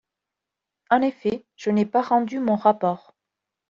En effet, je n’ai pas rendu mon rapport.